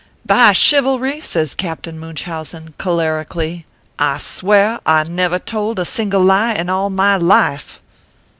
"By Chivalry !" says Qaptain Munchausen, choler ically ; "I swear, I never told a single lie in all my life."